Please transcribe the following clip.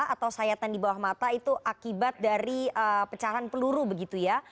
atau sayatan di bawah mata itu akibat dari pecahan peluru begitu ya